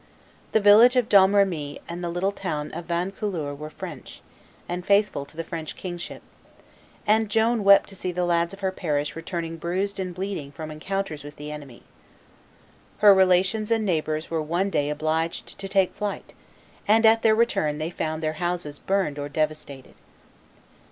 The village of Domremy and the little town of Vaucouleurs were French, and faithful to the French king ship; and Joan wept to see the lads of her parish returning bruised and bleeding from encounters with the enemy. Her relations and neighbors were one day obliged to take to flight, and at their return they found their houses burned or devastated.